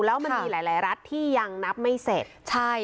แล้วมันมีหลายรัฐที่ยังนับไม่เสร็จใช่